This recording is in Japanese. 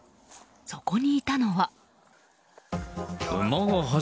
そこにいたのは。